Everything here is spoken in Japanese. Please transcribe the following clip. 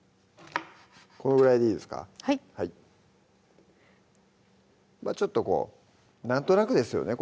このぐらいでいいですかはいちょっとこうなんとなくですよね